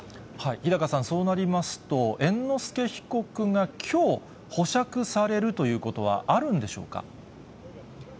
日高さん、そうなりますと、猿之助被告がきょう、保釈されるということはあるんでしょうか。